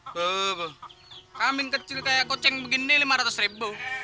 bo bo kambing kecil kayak koceng begini lima ratus ribu